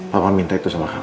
papa minta itu sama